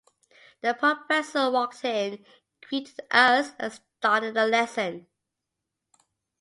The professor walked in, greeted us, and started the lesson.